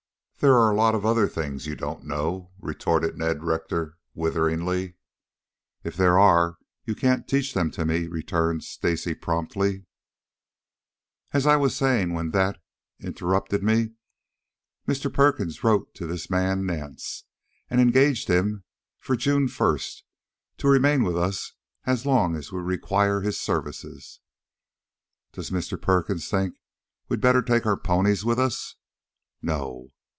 "There are a lot of other things you don't know," retorted Ned Rector witheringly. "If there are you can't teach them to me," returned Stacy promptly. "As I was saying when that interrupted me, Mr. Perkins wrote to this man, Nance, and engaged him for June first, to remain with us as long as we require his services." "Does Mr. Perkins think we had better take our ponies with us?" "No."